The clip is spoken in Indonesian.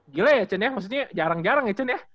gila ya cun ya maksudnya jarang jarang ya cun ya